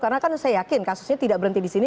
karena kan saya yakin kasusnya tidak berhenti disini